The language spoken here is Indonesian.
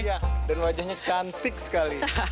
iya dan wajahnya cantik sekali